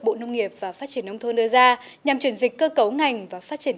bộ nông nghiệp và phát triển nông thôn đưa ra nhằm chuyển dịch cơ cấu ngành và phát triển